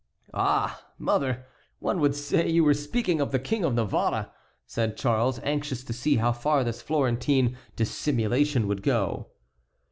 "Ah! mother, one would say you were speaking of the King of Navarre," said Charles, anxious to see how far this Florentine dissimulation would go.